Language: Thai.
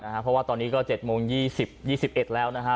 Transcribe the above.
เพราะว่าตอนนี้ก็เจ็ดโมงยี่สิบยี่สิบเอ็ดแล้วนะฮะ